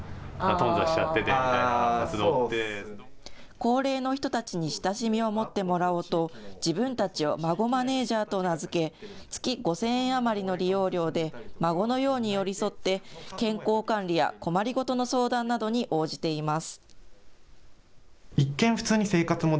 高齢の人たちに親しみを持ってもらおうと、自分たちをまごマネージャーと名付け、月５０００円余りの利用料で、孫のように寄り添って、健康管理や困りごとの相談などに応じています。